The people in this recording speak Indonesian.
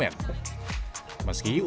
meski untuk mendapatkan ubi ungu